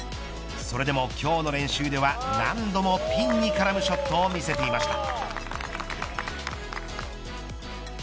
それでも、今日の練習では何度もピンに絡むショットを見せていました。